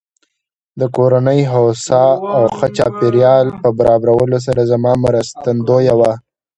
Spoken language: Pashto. د کورنۍ هوسا او ښه چاپېريال په برابرولو سره زما مرستندويه وه.